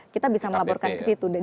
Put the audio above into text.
kita bisa melaporkan ke situ